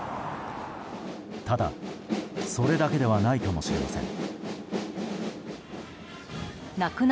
ただ、それだけではないかもしれません。